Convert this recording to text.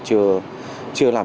chưa làm được